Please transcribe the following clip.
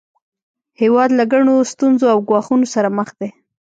هیواد له ګڼو ستونزو او ګواښونو سره مخ دی